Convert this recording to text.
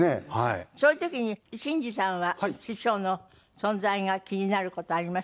そういう時に審司さんは師匠の存在が気になる事ありましたか？